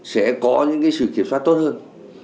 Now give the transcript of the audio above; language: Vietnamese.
sẽ có những cái sự kiểm soát tốt hơn